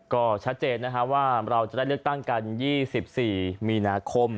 ก็ชัดเจนว่าเราจะได้เลือกตั้งกัน๒๔มีนาคม